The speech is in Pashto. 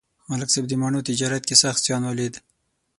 ملک صاحب د مڼو تجارت کې سخت زیان ولید